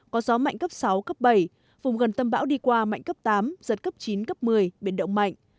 có gió mạnh cấp sáu cấp bảy vùng gần tâm bão đi qua mạnh cấp tám giật cấp chín cấp một mươi biển động mạnh